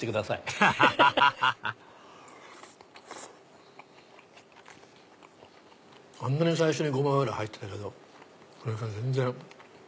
アハハハハあんなに最初にごま油入ってたけどそれが全然。